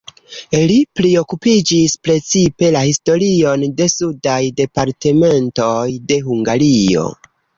Li priokupiĝis precipe la historion de sudaj departementoj de Hungario.